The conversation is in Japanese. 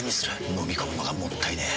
のみ込むのがもったいねえ。